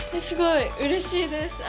すごいうれしいです。